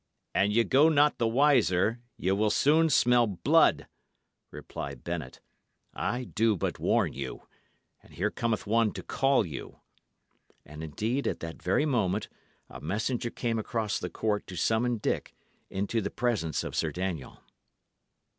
"An ye go not the wiser, ye will soon smell blood," replied Bennet. "I do but warn you. And here cometh one to call you." And indeed, at that very moment, a messenger came across the court to summon Dick into the presence of Sir Daniel.